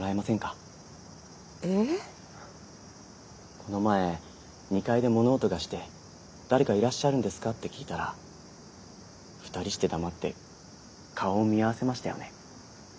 この前２階で物音がして誰かいらっしゃるんですかって聞いたら２人して黙って顔を見合わせましたよね？